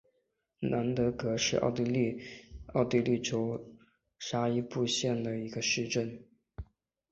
兰德格是奥地利下奥地利州沙伊布斯县的一个市镇。